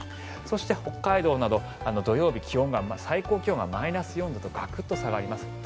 そして北海道など土曜日最高気温がマイナス４度とガクッと下がります。